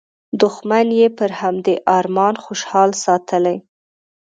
دوښمن یې پر همدې ارمان خوشحال ساتلی.